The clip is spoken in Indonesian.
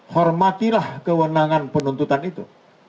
hormatilah kewenangan penuntutan itu